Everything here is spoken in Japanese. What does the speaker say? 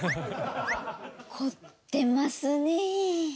凝ってますね。